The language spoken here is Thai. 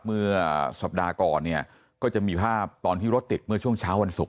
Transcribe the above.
เมื่อสัปดาห์ก่อนเนี่ยก็จะมีภาพตอนที่รถติดเมื่อช่วงเช้าวันศุกร์